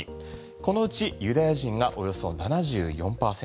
このうちユダヤ人がおよそ７４％